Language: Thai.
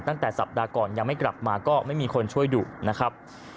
ตั้งแต่สัปดาห์ก่อนยังไม่กลับมาก็ไม่มีคนช่วยดุนะครับ